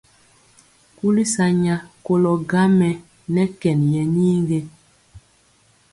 Kuli sa nya kolɔ gaŋ mɛ nɛ kɛn yɛ nii ge?